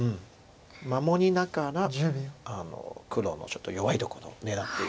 守りながら黒のちょっと弱いところを狙っている手です。